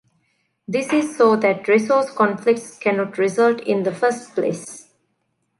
This is so that resource conflicts cannot result in the first place.